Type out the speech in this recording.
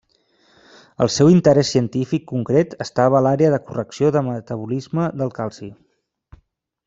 El seu interès científic concret estava a l'àrea de correcció de metabolisme del calci.